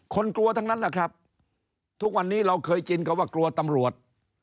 กลัวทั้งนั้นแหละครับทุกวันนี้เราเคยจินก็ว่ากลัวตำรวจ